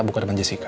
buka depan jessica